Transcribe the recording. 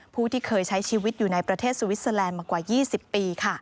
ผู้ที่เคยใช้ชีวิตอยู่ในประเทศสวิสเตอร์แลนด์มากว่า๒๐ปี